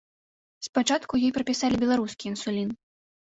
Спачатку ёй прапісалі беларускі інсулін.